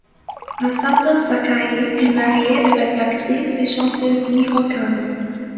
Masato Sakai est marié avec l'actrice et chanteuse Miho Kanno.